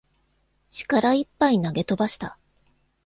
力いっぱい投げ飛ばした